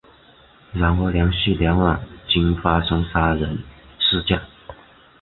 然而连续两晚均发生杀人事件。